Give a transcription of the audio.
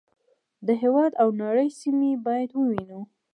د هېواد او نړۍ سیمې باید ووینو.